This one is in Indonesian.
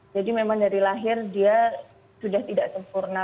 jadi memang dari lahir dia sudah tidak sempurna